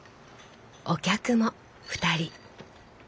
お客も２人。